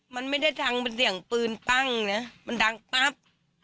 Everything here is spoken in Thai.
มันไม่ได้ดังเป็นเสียงปืนปั้งนะมันดังปั๊บ